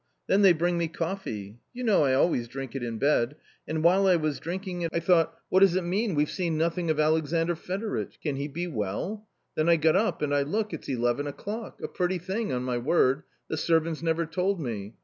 Then they bring me coffee ; you know I always drink it in bed — and while I was drinking it, I thought: "what does it mean, we've seen nothing of Alexandr Fedoritch ? Can he be well ?" Then I got up, and I look ; it's eleven o'clock — a pretty thing, on my word — the servants never told me.